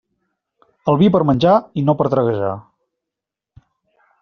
El vi per menjar i no per traguejar.